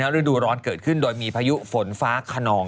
ฤดูร้อนเกิดขึ้นโดยมีพายุฝนฟ้าขนอง